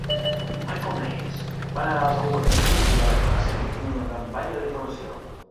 Michael Mates va negar les al·legacions i va declarar ser víctima d'una campanya de difamació.